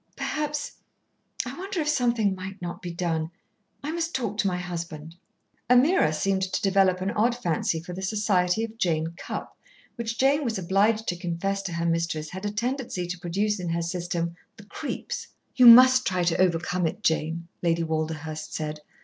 "Perhaps I wonder if something might not be done: I must talk to my husband." Ameerah seemed to develop an odd fancy for the society of Jane Cupp, which Jane was obliged to confess to her mistress had a tendency to produce in her system "the creeps." "You must try to overcome it, Jane," Lady Walderhurst said.